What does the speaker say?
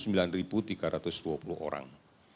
ini adalah tiga puluh sembilan tiga ratus dua puluh orang